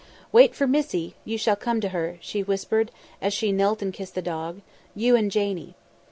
"Wait for Missie; you shall come to her," she whispered as she knelt and kissed the dog; "you and Janie."